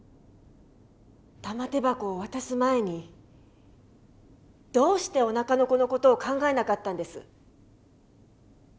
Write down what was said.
玉手箱を渡す前にどうしておなかの子の事を考えなかったんです？